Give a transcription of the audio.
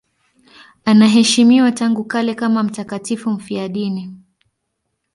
Anaheshimiwa tangu kale kama mtakatifu mfiadini.